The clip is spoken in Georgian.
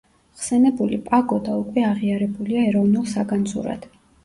ხსენებული პაგოდა უკვე აღიარებულია ეროვნულ საგანძურად.